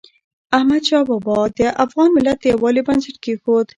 احمدشاه بابا د افغان ملت د یووالي بنسټ کېښود.